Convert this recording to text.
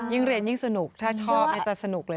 ยิ่งเรียนยิ่งสนุกถ้าชอบอาจารย์สนุกเลย